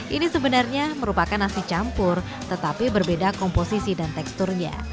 ini sebenarnya merupakan nasi campur tetapi berbeda komposisi dan teksturnya